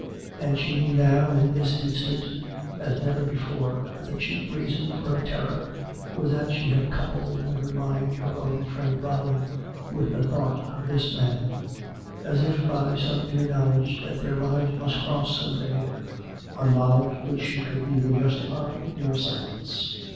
... And she knew now, in this instant, as never before, that the chief reason for her terror was that she had coupled in her mind her own friend Robin with the thought of this man, as if by some inner knowledge that their lives must cross some day — a knowledge which she could neither justify nor silence.